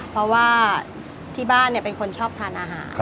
เพราะว่าที่บ้านเป็นคนชอบทานอาหาร